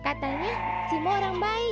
katanya simba orang baik